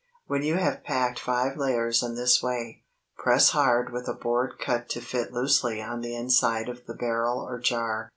When you have packed five layers in this way, press hard with a board cut to fit loosely on the inside of the barrel or jar.